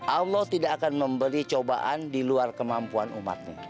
allah tidak akan memberi cobaan di luar kemampuan umat ini